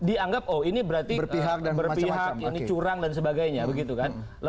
dianggap oh ini berarti berpihak ini curang dan sebagainya